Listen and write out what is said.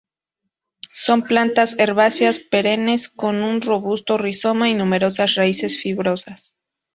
Son plantas herbáceas perennes con un robusto rizoma y numerosas raíces fibrosas.